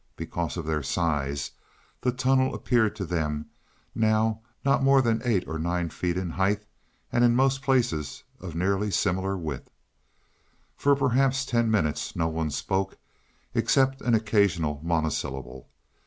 Because of their size, the tunnel appeared to them now not more than eight or nine feet in height, and in most places of nearly similar width. For perhaps ten minutes no one spoke except an occasional monosyllable.